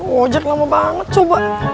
wajar lama banget coba